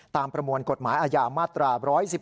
ประมวลกฎหมายอาญามาตรา๑๑๒